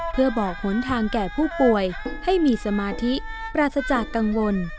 เพื่อบอกหนทางแก่ผู้ป่วยให้มีสมาธิปราศจากกังวล